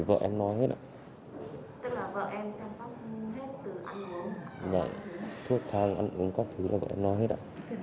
tức là vợ em chăm sóc hết từ ăn uống thuốc thang ăn uống các thứ là vợ em lo hết ạ